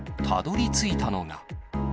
たどりついたのが。